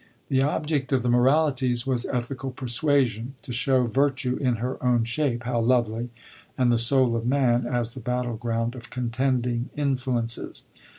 The object of the Moralities was ethical persuasion, to show 'Virtue in her own shape how lovely,' and the soul of man as the battleground of contending influences.